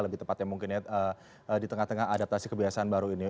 lebih tepatnya mungkin ya di tengah tengah adaptasi kebiasaan baru ini